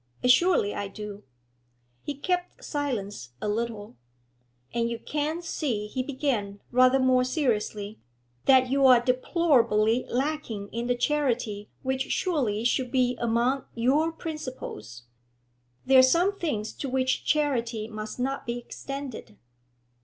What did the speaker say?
'Assuredly I do.' He kept silence a little. 'And you can't see,' he began, rather more seriously, 'that you are deplorably lacking in the charity which surely should be among your principles?' 'There are some things to which charity must not be extended.'